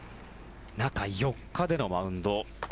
中４日でのマウンド。